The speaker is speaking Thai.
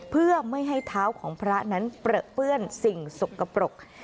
เพื่อไม่ให้เท้าของพระนั้นเปลือเปื้อนสิ่งสกปรก